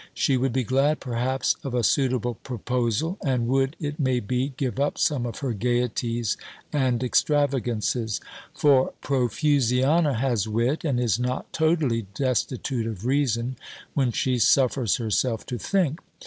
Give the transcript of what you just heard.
She would be glad, perhaps, of a suitable proposal, and would, it may be, give up some of her gaieties and extravagances: for Profusiana has wit, and is not totally destitute of reason, when she suffers herself to think.